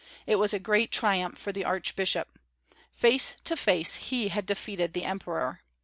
It was a great triumph for the archbishop. Face to face he had defeated the emperor.